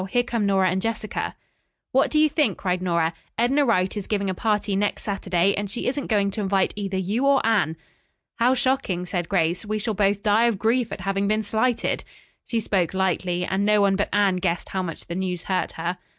Here come Nora and Jessica." "What do you think!" cried Nora. "Edna Wright is giving a party next Saturday, and she isn't going to invite either you or Anne." "How shocking!" said Grace. "We shall both die of grief at having been slighted." She spoke lightly, and no one but Anne guessed how much the news hurt her.